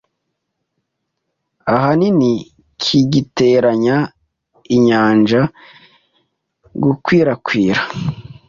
ahaniniki gitera inyanja gukwirakwira